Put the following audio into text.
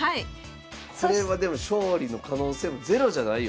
これはでも勝利の可能性もゼロじゃないよ。